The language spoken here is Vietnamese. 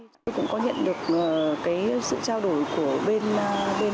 tôi cũng có nhận được cái sự trao đổi của bên bên